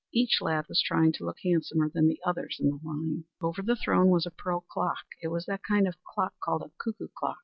Each lad was trying to look handsomer than the others in the line. Over the throne was a pearl clock. It was that kind of clock called a cuckoo clock.